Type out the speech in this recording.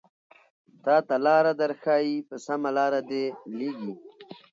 تاته لاره درښايې په سمه لاره دې ليږي